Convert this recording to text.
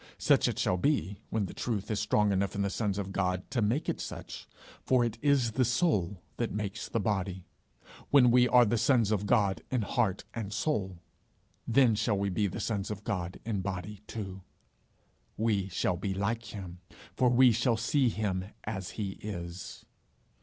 Such it shall be, when truth is strong enough in the sons of God to make it such for it is the soul that makes the body. When we are the sons of God in heart and soul, then shall we be the sons of God in body too: 'we shall be like him, for we shall see him as he is.'